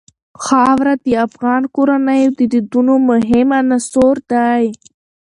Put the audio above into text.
خاوره د افغان کورنیو د دودونو مهم عنصر دی.